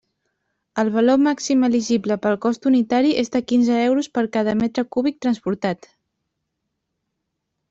El valor màxim elegible pel cost unitari és de quinze euros per cada metre cúbic transportat.